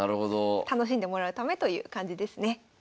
楽しんでもらうためという感じですね。